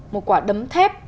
một quả đấm thép